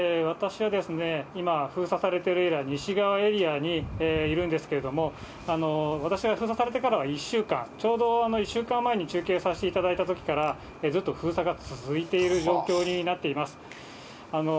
私は今、封鎖されているエリア、西側エリアにいるんですけれども、私が、封鎖されてから１週間、ちょうど１週間前に中継させていただいたときから、ずっと封鎖が続いている状況になっています。